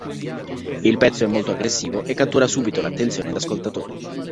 Il pezzo è molto aggressivo e cattura subito l'attenzione d'ascoltatore.